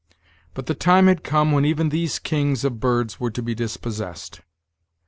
But the time had come when even these kings of birds were to be dispossessed.